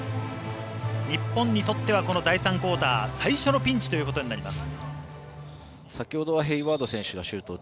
日本にとっては第３クオーター最初のピンチということになります。